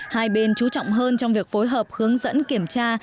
hai bên chú trọng hơn trong việc phối hợp hướng dẫn kiểm tra